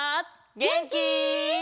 げんき？